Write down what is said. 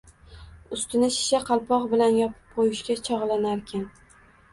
ustini shisha qalpoq bilan yopib qo‘yishga chog‘lanarkan